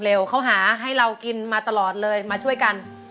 เขาหาให้เรากินมาตลอดเลยมาช่วยกัน